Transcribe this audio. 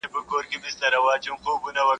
سپوږمۍ پر راختو ده څوک به ځي څوک به راځي.